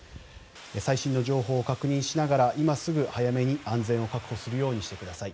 最新情報を確認しながら今すぐ早めに安全を確保するようにしてください。